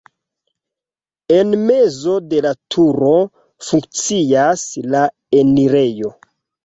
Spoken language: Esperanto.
En mezo de la turo funkcias la enirejo.